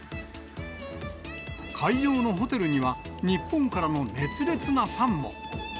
会場のホテルには、日本からの熱烈なファンも。